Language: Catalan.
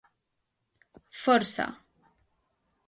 Força: